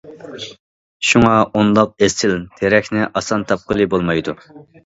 شۇڭا ئۇنداق ئېسىل تېرەكنى ئاسان تاپقىلى بولمايدۇ.